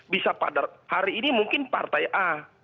bisa pada hari ini mungkin partai a